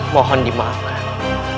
mohon di maafkan